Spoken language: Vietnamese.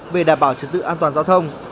về đảm bảo trường tự an toàn giao thông